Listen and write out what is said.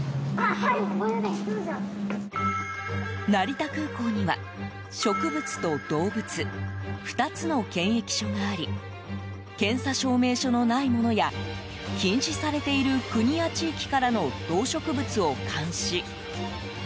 成田空港には、植物と動物２つの検疫所があり検査証明書のないものや禁止されている国や地域からの動植物を監視。